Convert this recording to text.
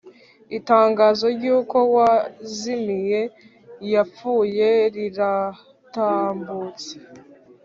Itangazo ry’uko uwazimiye yapfuye riratambutse